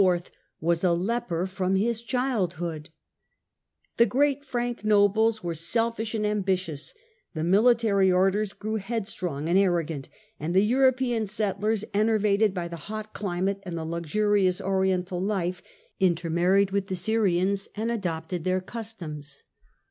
was a leper from his child ,,.'''^ Amalncl., hood. The great Frank nobles were selfish and am 1163 1174 bitious, the Military Orders grew headstrong and arrogant, jy., ^^ and the European settlers, enervated by the hot climate LYstgne^d and the luxurious Oriental life, intermarried with the the Crown) Syrians and adopted their customs.